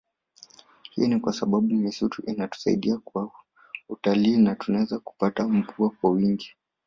Hii ni kwa sababu misitu inatusaidia kwa utalii na tunaweza kupata mvua kwa wingi